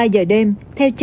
hai mươi ba giờ đêm